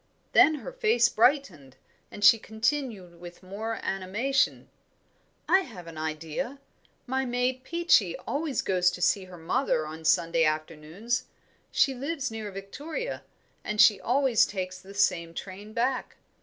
Then her face brightened, and she continued with more animation, "I have an idea. My maid Peachy always goes to see her mother on Sunday afternoons; she lives near Victoria, and she always takes the same train back.